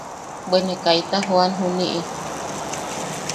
Bwe ne kaita jooan juniʼi.